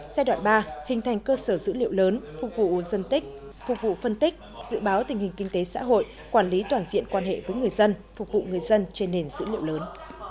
giai đoạn ba hình thành cơ sở dữ liệu lớn phục vụ dân tích phục vụ phân tích dự báo tình hình kinh tế xã hội quản lý toàn diện quan hệ với người dân phục vụ người dân trên nền dữ liệu lớn